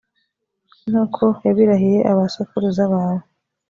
nk’uko yabirahiye abasokuruza bawe,